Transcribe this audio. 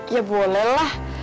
ya boleh lah